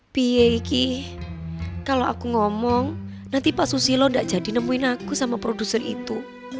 piyekih kalo aku ngomong nanti pak susilo gak jadi nemuin aku sama produser itu